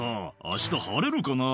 明日晴れるかな？」